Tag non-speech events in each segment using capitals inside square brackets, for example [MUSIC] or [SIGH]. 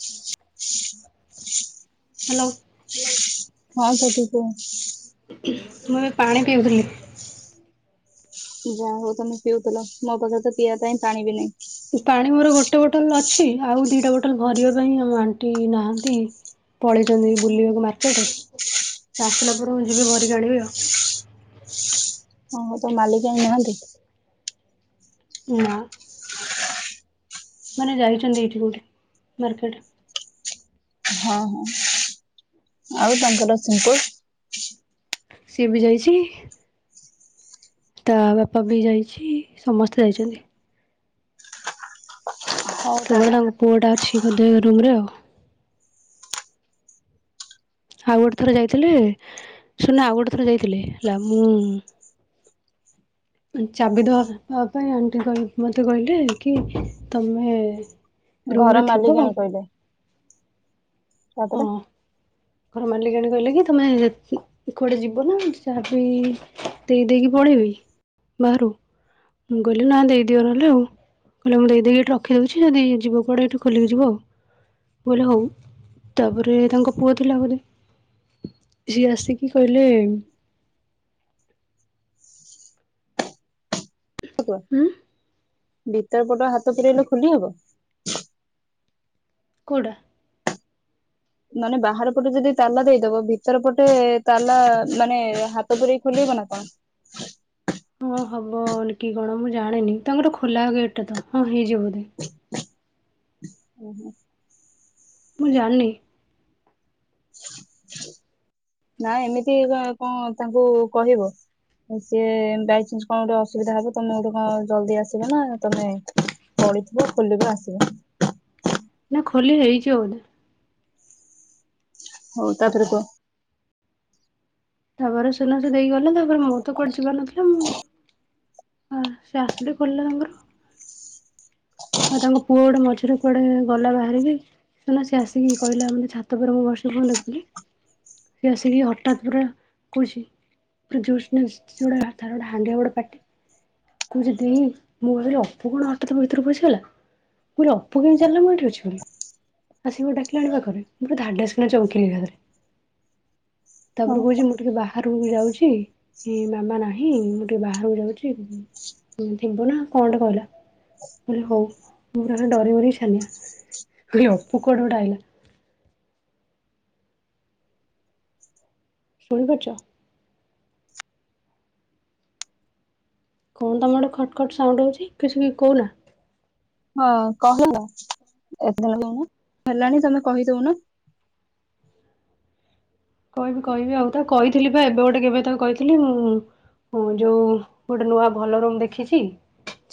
ହୁଁ। ହ୍ୟାଲୋ ହଁ ସେଠି କି। ମୁଁ ଏବେ ପାଣି ପିଉଥିଲି। ଯାହା ହଉ ତମେ ପିଉଥିଲ ମୋ ପାଖରେ ତ ପିଇବା ପାଇଁ ପାଣି ବି ନାହିଁ। ପାଣି ମୋର ଗୋ ଟେ ବୋଟଲ ଅଛି ଆଉ ଦିଟା ବୋଟଲ ଭରିବା ପାଇଁ ଆମ ଆଣ୍ଟି ନାହାନ୍ତି ପଳେଇଛନ୍ତି ବୁଲିବାକୁ ମାର୍କେଟ ସେ ଆସିଲା ପରେ ମୁଁ ଯିବି ଭରିକି ଆଣିବି ଆଉ। ହଁ ତ ମାଲିକଣି ନାହାନ୍ତି। ନା। ମାନେ ଯାଇଛନ୍ତି ଏଠି କଉଠି ମାର୍କେଟ। ହଁ ହଁ ଆଉ ତାଙ୍କର ସିମ୍ପୁ। ସିଏ ବି ଯାଇଛି। ତା ବାପା ବି ଯାଇଛି ସମସ୍ତେ ଯାଇଛନ୍ତି। ହଉ କେତେ ବଡ଼ ତାହେଲେ ତାଙ୍କ ପୁଅ ଟା ଅଛି ବଧେ ରୁମରେ ଆଉ। ଆଉ ଗୋଟେ ଥରେ ଯାଇଥିଲେ ଶୁନା ଆଉ ଗୋଟେ ଥରେ ଯାଇଥିଲେ ହେଲା ମୁଁ ଚାବି ଦବାବା ପାଇଁ ଆଣ୍ଟି ମତେ କହିଲେ କି ତମେ ରୁମରେ ଘର ଥିବ ମାଲିକାଣୀ କହିଲେ ତାପରେ ହଁ ଘର ମାଲିକାଣୀ କହିଲେ କି ତମେ କୁଆଡେ ଯିବ ନା ଚାବି ଦେଇ ଦେଇକି ପଳେଇବି ବାହାରୁ ମୁଁ କହିଲି ନା ଦେଇଦିଅ ନହେଲେ ଆଉ କହିଲେ ମୁଁ ଦେଇ ଦେଇ ଏଠି ରଖିଦଉଛି ଯଦି ଯିବ କୁଆଡେ ଏଇଠି ଖୋଲିକି ଯିବ ଆଉ କହିଲେ ହଉ ତାପରେ ତାଙ୍କ ପୁଅ ତାବୋଲି ସିଏ ଆସିକି କହିଲେ ହୁଁ। ଭିତର ପଟ ହାତ ପୁରେଇଲେ ଖୋଲି ହବ? କୋଉଟା? ମାନେ ବାହାର ପଟେ ଯଦି ତାଲା ଦେଇଦବ ଭିତର ପଟେ ତାଲା ମାନେ ହାତ ପୁରେଇ ଖୋଲିହବ ନା କଣ? ହଁ ହବ ଆଉ ନ କି କଣ ମୁଁ ଜାଣିନି ତାଙ୍କର୍ ଖୋଲା ଗେଟ୍ ତ ହଁ ହେଇଯିବ ବଧେ ଓହୋ। ମୁଁ ଜାଣିନି ନା ଏମିତି କଣ କ ତାଙ୍କୁ କହିବ ସିଏ ବାଇଚନ୍ସ କଣ ଗୋଟେ ଅସୁବିଧା ହବ ତମେ ଗୋଟେ କଣ ଜଲଦି ଆସିବ ନା ତମେ ପଳିଥିବ ଖୋଲିବ ଆସିବ। ନା ଖୋଲି ହେଇଯିବ ବଧେ ହଉ ତାପରେ କୁହ? ତାପରେ ସୁନା ସୁ ଦେଇ ଗଲେ ତ ମୋର ତ କୁଆଡେ ଯିବାର ନଥିଲା ମୁଁ ସେ ଆସିଲେ ଖୋଲିଲା ତାଙ୍କର। ଆଉ ତାଙ୍କ ପୁଅ ଗୋଟେ ମଝିରେ କୁଆଡେ ଗଲା ବାହାରିକି ହେଲା ସେ ଆସିକି କହିଲା ମାନେ ଛାତ ଉପର ମୁଁ ବର୍ଷି ପଇଲକି ସେ ଆସିକି ହଠାତ ପୁରା କହୁଛି ପୁରା ଜୋସ ଗୋଟ ତାର ଗୋଟେ ହାଣ୍ଡିଆ ବଡ଼ ପାଟି କହୁଛି ଦି ମୁଁ ଭାବିଲି ଅପୁ କଣ ହଠାତ ଭିତରୁ ପସି ଲା ମୁଁ କହିଲି ଅପୁ କେମିତି ଜାଣିଲା ମୁଁ ଏଠି ଅଛି ବୋଲି ଆସିକି ମତେ ଡାକିଲାଣି ପାଖରେ ମୁଁ ପୁରା ଧାଡାସ କିଣା ଚମକିିଲି ଏକା ଥରେ। ତାପରେ ହଁ। କହୁଛି ମୁଁ ଟିକେ ବାହା ହରକୁ ଯାଉଛି ମାମା ନାହିଁ ମୁଁ ଟିକେ ବାହାରକୁ ଯାଉଛି ଥିବୁ ନା କଣଟେ କହିଲା। ମୁଁ କହିଲି ହୋଉ ମୁ ପୁରା ଡରିଗଲି ଚ୍ଛାନିଆ [UNINTELLIGIBLE] କହିଲି କୁଆଡୁ ଅଇଲା। ଶୁଣି ପାରୁଛ? କଣ ତମର ଗୋଟେ ଖଟ୍ ଖଟ୍ ସାଉଣ୍ଡ ହଉଛି କିଛି କହୁନା ହଁ କହ [UNINTELLIGIBLE] ହେଲାଣି ତମେ କହିଦୋଉନ। କହିବି କହିବି ଆଉ ତା କହିଥିଲି ବା ଏବେ ଗୋଟେ କେବେ ତାକୁ କହିଥିଲି ମୁଁ ଯୋଉ ଗୋଟେ ନୂଆ ଭଲ ରୁମ୍ ଦେଖିଛି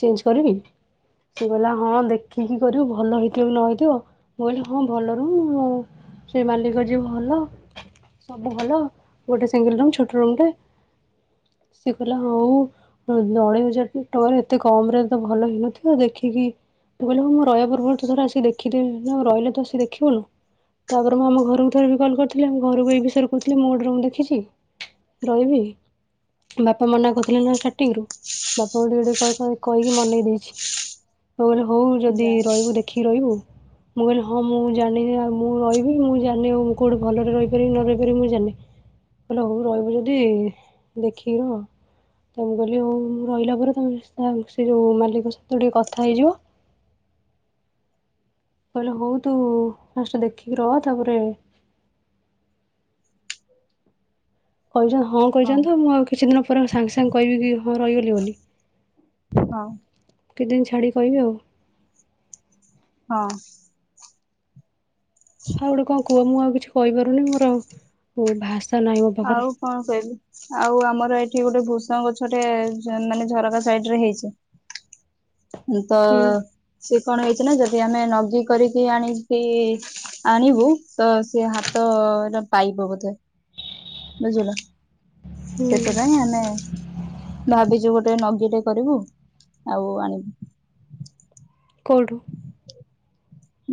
ଚେଞ୍ଜ କରିବି ସେ କହିଲା ହଁ ଦେଖିକି କରିବୁ ଭଲ ହେଇଥିବ କି ନ ହେଇଥିବ ମୁଁ କହିଲି ହଁ ଭଲ ରୁମ୍ ସେ ମାଲିକ ଯେ ଭଲ ସବୁ ଭଲ ଗୋଟେ ସିଙ୍ଗଲ ରୁମ୍ ଛୋଟ ରୁମ୍ ଟା ସେ କହିଲା ହଉ ଅଢ଼େଇ ହଜାର ଟଙ୍କାରେ ଏତେ କମ୍ ରେ ତ ଭଲ ହେଇନଥିବ ଦେଖିକି ମୁଁ କହିଲି ହୋଉ ମୁ ରହିବା ପୂର୍ବରୁ ଗୋଟେ ଥର ଆସିକି ଟିକେ ଦେଖିଦିଏ ମୁ ରହିଲେ ତ ସେ ଦେଖିବନି ତାପରେ ମୁଁ ଘରକୁ ଥରେ ବି କଲ୍ କରିଥିଲି ଆମ ଘରକୁ ଏଇ ମୁଁ ଗୋଟେ ରୁମ୍ ଦେଖିଛି ରହିବି ବାପା ମନା କରିଥିଲେ ଷ୍ଟାର୍ଟିଂରୁ ଏମିତି ଛ ନ କହିକି ମନେଇ ଦେଇଚି। ହଉ ଯଦି ଯା ରହିବୁ ଦେଖିକି ରହିବୁ। ମୁଁ କହିଲି ହଁ ମୁଁ ଜାଣିନି ଆଉ ମୁଁ ରହିବି ମୁଁ ଜାଣିନି ଆଉ କୋଉଠି ଭଲରେ ରହିପାରିବି ନ ରହିବି କହିଲି ମୁ ଜାଣିନି। କହିଲେ ହୋଉ ରହିବୁ ଯଦି ଦେଖିକି ରହ। ତାପରେ ମୁ କହିଲି ହୋଉ ମୁ ରହିଲାପରେ ତମେ ତ ସେ ମାଲିକସହିତ ଟିକେ କଥା ହେଇଯିବ। କହିଲେ ହୋଉ ତୁ ଫାଷ୍ଟ ଦେଖିକି ରହ। କହିଛନ୍ତି ହଁ କହିଛନ୍ତି ତ ମୁଁ ଆଉ କିଛି ଦିନ ପରେ ସାଙ୍ଗେ ସାଙ୍ଗେ କହିବି କି ହଁ ରହିଗଲି ବୋଲି। ହଁ କେତେଦିନ ଛାଡ଼ିକି କହିବି ଆଉ। ବାସ୍ ଆଉ ଗୋଟେ କଣ କୁହ ମୁଁ ଆଉ କିଛି କହିପାରୁନି ମୋର ଭାଷା ନାହିଁ ମୋ ପାଖରେ। ଆଉ କଣ କହିବି ଆଉ ଆମର ଏଇଠି ଗୋ ଭୃଷଙ୍ଗ ଗଛଟେ ମାନେ ଝରକା ସାଇଟ୍ ରେ ହେଇଛି। ତ ହୁଁ ସେ କଣ ହେଇଛି ନା ଯଦି ଆମେ ନଗି କରିକି ଆଣିକି ଆଣିବୁ ତ ସେ ହାତରେ ପାଇବ ବୋଧେ ବୁଝିଲ। ସେଥି ପାଇଁ ଆମେ ଭାବିଛୁ ଗୋଟେ ନଗିଟେ କରିବୁ ଆଉ ଆଣିବୁ। କୋଉଠୁ?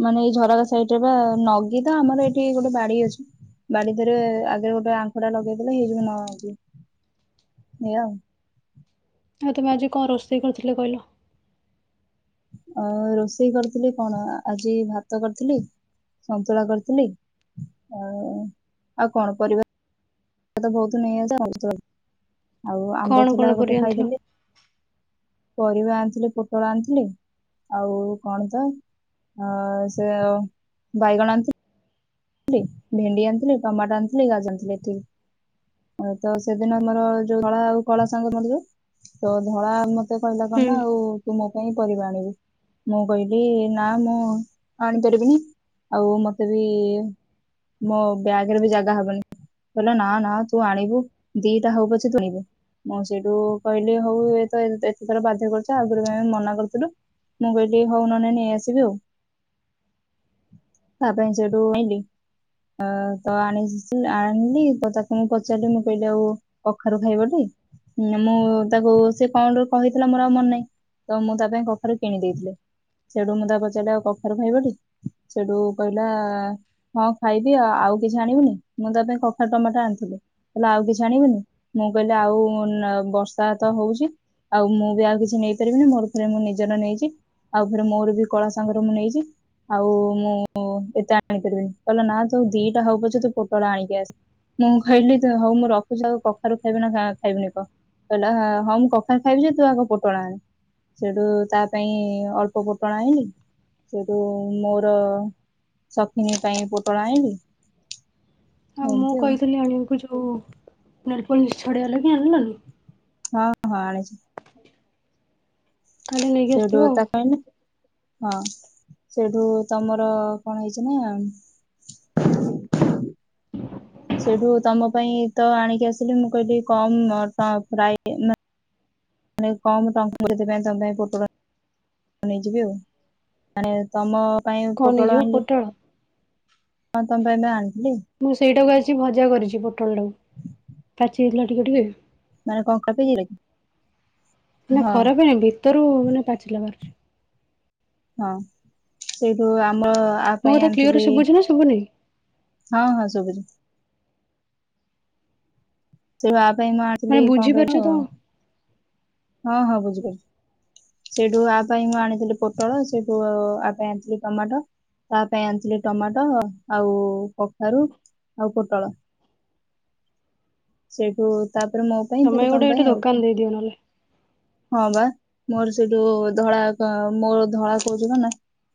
ମାନେ ଏଇ ଝରକା ସାଇଟ୍ ରେ ବା ନଗି ତ ଆମର ଏଠି ବାଡ଼ି ଅଛି ବାଡ଼ି ଦେହେରେ ଆଗରେ ଗୋଟେ ଆଙ୍କୁଢା ଲଗେଇ ଦେଲେ ହେଇଯିବ ନଗି ଏଇଆ ଆଉ। ଆଉ ତମେ ଆଜି କଣ ରୋଷେଇ କରିଥିଲ କହିଲ? ଅ ରୋଷେଇ କରିଥିଲି କଣ ଆଜି ଭାତ କରିଥିଲି ସନ୍ତୁଳା କରିଥିଲି ଆ ଆଉ କଣ ପରିବା ପରିବା ତ ବହୁତ ନେଇ ଆଉ ଆମ୍ବ କଣ କଣ ଥିଲା ଗୋଟେ ପରିବା ଆଣିଥିଲ? ଖାଇଦେଲି। ପରିବା ଆଣିଥିଲି ପୋଟଳ ଆଣିଥିଲି ଆଉ କଣ ତ ଅ ସେ ବାଇଗଣ ଆଣିଥି ଭେଣ୍ଡି ଆଣିଥିଲି ଟମାଟୋ ଆଣିଥିଲି ଗାଜର ଆଣିଥିଲି ଏତିକି ତ ସେଦିନ ଆମର ଯୋଉ ଧଳା ଆଉ କଳା ସାଙ୍ଗ ମୋର ଯୋଉ ତ ଧଳା ମ ସେ କହିଲା କ ହୁଁ ନା ଆଉ ତୁ ମୋ ପାଇଁ ପରିବା ଆଣିବୁ ମୁଁ କହିଲି ନା ମୁଁ ଆଣିପାରିବିନି ଆଉ ମତେ ବି ମୋ ବ୍ୟାଗରେ ବି ଜାଗା ହବନି କହିଲା ନା ନା ତୁ ଆଣିବୁ ଦିଟା ହଉ ପଛେ ତୁ ଆଣିବୁ ମୁଁ ସେଇଠୁ କହିଲି ହଉ ଏ ତ ଏତେ ଥର ବାଧ୍ୟ କରୁଛି ଆଗୁରୁ ଆମେ ମନା କରିଥିଲୁ ମୁଁ କହିଲି ହଉ ନହେଲେ ନେଇ ଆସିବି ଆଉ ତା ପାଇଁ ସେଇଠୁ ଆଇଁଲି। ଅ ତ ଆଣି ଆଣିଲି ତ ତାକୁ ମୁଁ ପଚାରିଲି ମୁଁ କହିଲି ଆଉ କଖାରୁ ଖାଇବଟି ମୁଁ ତାକୁ ସେ କଣ କହିଥିଲା ମୋର ଆଉ ମନ ନାହିଁ ତ ମୁଁ ତା ପାଇଁ କଖାରୁ କିଣି ଦେଇଥିଲି ସେଠୁ ମୁଁ ତାକୁ ପଚାରିଲି ଆଉ କଖାରୁ ଖାଇବଟି ସେଠୁ କହିଲା ହଁ ଖାଇବି ଆ ଆଉ କିଛି ଆଣିବୁନି ମୁଁ ତା ପାଇଁ କଖାରୁ ଟମାଟୋ ଆଣିଥିଲି କହିଲା ଆଉ କିଛି ଆଣିବୁନୁ ମୁଁ କହିଲି ଆଉ ଆ ବର୍ଷା ତ ହଉଛି ଆଉ ମୁଁ ବି ଆଉ କିଛି ନେଇପାରିବିନି ମୋର ଫେରେ ମୁଁ ନିଜର ନେଇଛି ଆଉ ଫେରେ ମୋର ବି କଳା ସାଙ୍ଗର ମୁଁ ନେଇଛି ଆଉ ମୁଁ ଏତେ ଆଣିପାରିବିନି। କହିଲା ନା ତୁ ଦିଟା ହଉ ପଛେ ତୁ ପୋଟଳ ଆଣିକି ଆସେ ମୁଁ କହିଲି ତୁ ହଉ ମୁଁ ରଖୁଛି ଆଉ କଖାରୁ ଖାଇବୁ ନା ଖାଇବୁନି କହ କହିଲା ହଁ ମୁଁ କଖାରୁ ଖାଇବି ଯେ ତୁ ଆଗ ପୋଟଳ ଆଣେ ସେଉଠୁ ତା ପାଇଁ ଅଳ୍ପ ପୋଟଳ ଆଇଁଲି ସେଉଠୁ ମୋର ସପିଙ୍ଗ୍ ପାଇଁ ପୋଟଳ ଆଇଁଲି। ଆଉ ମୁଁ କହିଥିଲି ଅଣିବାକୁ ଯୋଉ ନେଲ୍ ପୋଲିସ୍ ଚଢ଼େଇଆ ଲାଗି ଆଣିଲନି? ହଁ ହଁ ଆଣିଛି। କାଲି ନେଇକି ସେଇଠୁ ଆସିଥିବ ଆଉ। ତାକୁ ଆଣିଲି ହଁ ସେଉଠୁ ତମର କଣ ହେଇଛି ନା ସେଉଠୁ ତମ ପାଇଁ ତ ଆଣିକି ଆସିଲି ମୁଁ କହିଲି କମ୍ ଫ୍ରାଇ ମାନେ କମ୍ ଟଙ୍କାରେ ସେଥିପାଇଁ ତମ ପାଇଁ ପୋଟଳ ନେଇଯିବି ଆଉ ମାନେ ତମ ପାଇଁ କଣ ନେଇଯିବ ଆଣିଲି ପୋଟଳ। ହଁ ତମ ପାଇଁ ଆ ମୁଁ ସେଇଟାକୁ ଆଜି ଭଜା କରିଛି ପୋଟଳ ଟାକୁ। ପାଚି ଯାଇଥିଲା ଟିକେ ଟିକେ ମାନେ କଙ୍କା ପିସ୍ ନା ହଁ ଖରାପ ହେଇନି ଭିତରୁ ମାନେ ପାଚିଲା ବାହାରୁଛି। ହଁ ସେଇଠୁ ଆ ଆମ ମୋ ପାଇଁ କଥା ଆଣିଥିଲି କ୍ଲିୟର ଶୁଭୁଛି ନା ଶୁଭୁନି? ହଁ ହଁ ସୁଭୁଛି। ସେ ଆ ମୋ ପାଇଁ ମୁଁ ମାନେ ଆଣିଥିଲି କଣ ବୁଝିପାରୁଛ କହିଲ ତ ହଁ ହଁ ବୁଝିପାରୁଛି ସେଇଠୁ ଆ ପାଇଁ ମୁଁ ଆଣିଥିଲି ପୋଟଳ ସେଇଠୁ ଆ ପାଇଁ ଆଣିଥିଲି ଟମାଟ ତା ପାଇଁ ଆଣିଥିଲି ଟମାଟୋ ଆଉ କଖାରୁ ଆଉ ପୋଟଳ ସେଇଠୁ ତାପରେ ମୋ ପାଇଁ ତମେ ତାପରେ ତମ ଗୋଟେ ପାଇଁ ଏଇଠି ଆଉ ଦୋକାନ ଦେଇଦିଅ ନହେଲେ। ହଁ ପା ମୋର ସେଇଠୁ ଧଳା କ ମୋର ଧଳା କହୁଛି କଣ ନା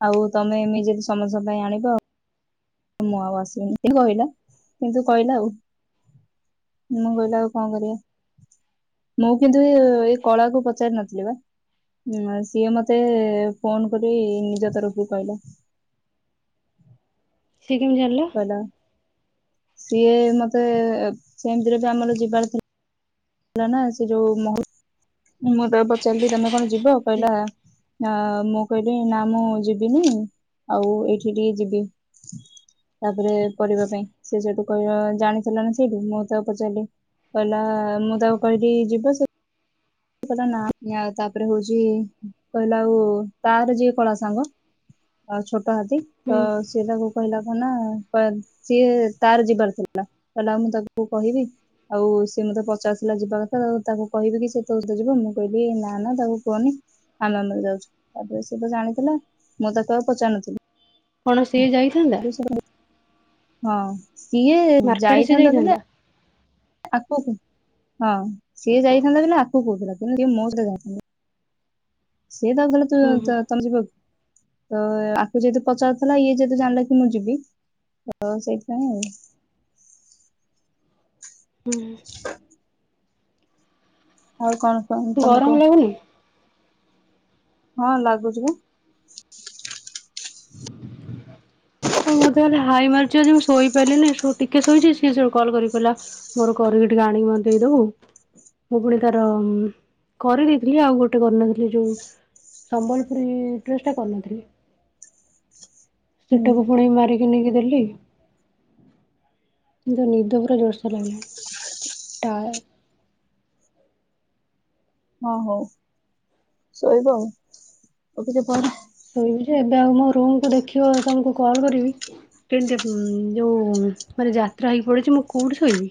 ଆଉ ତମେ ଏମିତି ସମସ୍ତଙ୍କ ପାଇଁ ଆଣିବ ଆଉ ମୁଁ ଆଉ ଆସିବିିନି କହିଲା କିନ୍ତୁ କହିଲା ଆଉ। ମୁଁ କହିଲି ଆଉ କଣ କରିବା। ମୁଁ କିନ୍ତୁ ଏ ଏ କଳାକୁ ପଚାରି ନଥିଲି ପା। ସିଏ ମତେ ଫୋନ କରି ନିଜ ତରଫରୁ କହିଲା। ସେ କେମିତି ଜାଣିଲା? କହିଲା ସିଏ ମତେ ସେମିତିରେ ବି ଆମର ଯିବାର ଥିଲା ହେଲା ନା ସେ ଯୋଉ ମହ ମୁଁ ତ ପଚାରିଲି ତମେ କଣ ଯିବ? କହିଲା ଆ ମୁଁ କହିଲି ନା ମୁଁ ଯିବିନି ଆଉ ଏଇଠି ଟିକେ ଯିବି। ତାପରେ ପରିବା ପାଇଁ ସେ ସେଇଠୁ କହିଲା ଜାଣିଥିଲା ନା ସେଇଠୁ ମୁଁ ତାକୁ ପଚାରିଲି କହିଲା ମୁଁ ମୁଁ ତାକୁ କହିଲି ଯିବା ସେ କହିଲା ନା ତାପରେ ହଉଛି କହିଲା ଆଉ ତାର ଯିଏ କଳା ସାଙ୍ଗ ଛୋଟ ହାତୀ ହୁଁ ତ ସିଏ ତାକୁ କହିଲା କହ ନା ସିଏ ତାର ଯିବାର ଥିଲା। କହିଲା ମୁଁ ତାକୁ କହିବି ଆଉ ସିଏ ମତେ ପଚାରିଥିଲା ଯିବା କଥା ତାକୁ କହିବି କି ସେ ତୋ ସହିତ ଯିବ। ମୁଁ କହିଲି ନା ନା ତାକୁ କୁହନି ଆମେ ଆମର ଯାଉଛୁ। ତାପରେ ସିଏ ତ ଜାଣିଥିଲା ମୁଁ ତାକୁ ଆଉ ପଚାରୁନଥିଲି। କଣ ସି ସିଏ ଯାଇଥାନ୍ତା? ହଁ। ସିଏ ମାର୍କେଟ ସିଏ ଯାଇଥାନ୍ତା ବୋଇଲେ ଆଗକୁ? ହଁ ସିଏ ଯାଇଥାନ୍ତା ବୋଇଲେ ଆକୁ କହୁଥିଲା କିନ୍ତୁ ସେ ମୋ ସହ ଯାଇଥିଲା। ସିଏ ତାକୁ କହିଲା ହୁଁ ତୁ- ହୁଁ ତୁ- ତମେ ଯିବକି? ତ ଆକୁ ଯେହେତୁ ପଚାରୁଥିଲା ଇଏ ଯେହେତୁ ଜାଣିଲା କି ମୁଁ ଯିବି। ତ ସେଇଥିପାଇଁ ଆଉ। ଆଉ କଣ? କଣ ତମେ ଗରମ କୁହ ଲାଗୁନି? ହଁ ଲାଗୁଛି ବା। ମତେ ଖାଲି ହାଇ ମାରୁଛି ଆଜି ମୁଁ ଶୋଇପାରିଲିନି ସେ ଟିକେ ଶୋଇଛି। ସିଏ ସୋଉଟୁ କଲ୍ କରି କହିଲା ମୋର କରିକି ଟିକେ ଆଣିକି ମତେ ଦେଇଦବୁ। ମୁଁ ପୁଣି ତାର କରିଦେଇଥିଲି ଆଉ ଗୋଟେ କରିନଥିଲି ଯୋଉ ସମ୍ବଲପୁରୀ ଡ୍ରେସ୍ ଟା କରିନଥିଲି। ହୁଁ ଟାକୁ ପୁଣି ମାରି କଣିକି ଦେଲି। କିନ୍ତୁ ନିଦ ପୁରା ଜୋରସୋର୍ ଲାଗିଲାଣି ଟାୟ। ହଁ ହଉ ଶୋଇବ ଆଉ [UNINTELLIGIBLE] ଶୋଇବି ଯେ ଏବେ ଆଉ ଯୋଉ ମୋ ରୁମକୁ ଦେଖିବ ତମକୁ କଲ୍ କରିବି କେନ୍ତି ଯୋଉ ମାନେ ଯାତ୍ରା ହେଇକି ପଡିଛି। ମୁଁ କୋଉଠି ଶୋଇବି?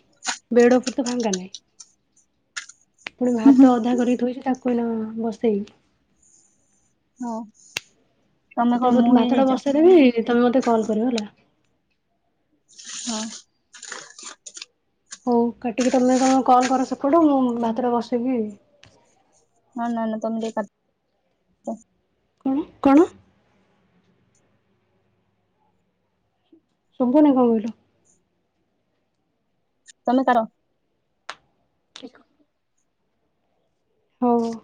ବେଡ଼ ଉପରେତ ଫାଙ୍କା ନାହିଁ। ପୁଣି ଭାତ ଅଧା କରିକି ଥୋଇଚି ତାକୁ ଏଇନା ବସେଇବି। ହଁ ତମେ କଣ ମୁଁ ତାପରେ ଭାତଟା ହେଇଯାଇଛ ବସେଇଦେବି ତମେ ମତେ କଲ୍ କରିବ ହେଲା। ହଁ । ହଉ କାଟିକି ତମେ ତମ କଲ କର ସେପଟୁ ମୁଁ ଭାତଟା ବସେଇକି ହଁ ନାଁ ନାଁ ତମେ ଯାଇ [UNINTELLIGIBLE] କଣ କଣ? ଶୁଭୁନେଇ କଅଁ କଇଲ? ତମେ ତାର ଲେଖ। ହଉ ହଉ।